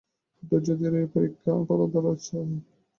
ধৈর্য ধরিয়া অপেক্ষা করা চাই।